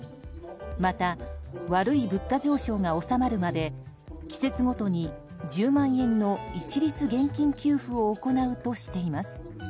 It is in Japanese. また、悪い物価上昇が収まるまで季節ごとに１０万円の一律現金給付を行うとしています。